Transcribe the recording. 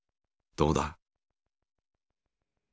どうだ？